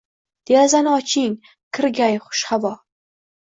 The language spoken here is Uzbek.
Derazani oching – kirgay xush havo.